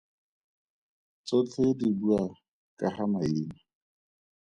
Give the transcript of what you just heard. Tsotlhe di bua ka ga maina.